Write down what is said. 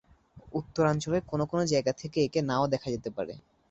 উত্তরাঞ্চলের কোন কোন জায়গা থেকে একে নাও দেখা যেতে পারে।